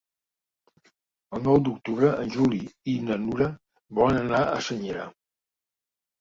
El nou d'octubre en Juli i na Nura volen anar a Senyera.